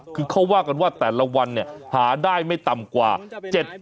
คือเขาว่ากันว่าแต่ละวันเนี่ยหาได้ไม่ต่ำกว่า